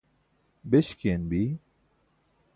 beśkiyan bi?